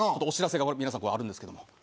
お知らせが皆さんあるんですけども。